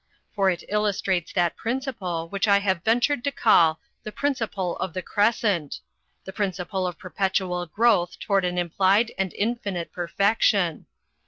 For it illus trates that principle which I have ventured to call the principle of the Crescent: the principle of perpetual growth toward an implied and infinite perfection.